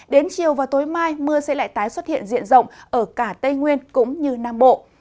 đến chiều và tối mai mưa sẽ lại tái xuất hiện diện rộng ở cả tây nguyên cũng như nam bộ